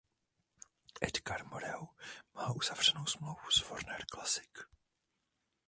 Edgar Moreau má uzavřenou smlouvu s Warner Classics.